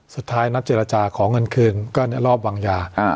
สุดท้ายนัฐเจรจาของเงินคืนก็นี่รอบวางยา